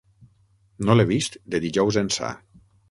No l'he vist de dijous ençà.